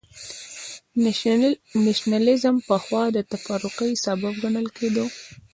نېشنلېزم پخوا د تفرقې سبب ګڼل کېده.